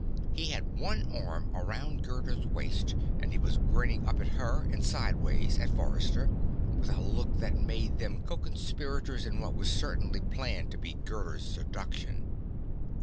He had one arm around Gerda's waist and he was grinning up at her, and, sideways, at Forrester with a look that made them co conspirators in what was certainly planned to be Gerda's seduction.